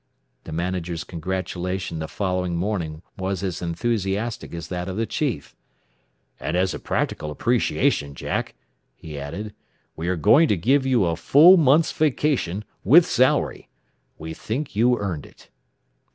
The manager's congratulation the following morning was as enthusiastic as that of the chief. "And as a practical appreciation, Jack," he added, "we are going to give you a full month's vacation, with salary. We think you earned it."